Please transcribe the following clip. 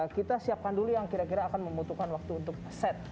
kita siapkan dulu yang kira kira akan membutuhkan waktu untuk set